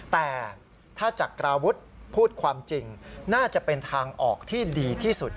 แต่ถ้าจักราวุฒิพูดความจริงน่าจะเป็นทางออกที่ดีที่สุด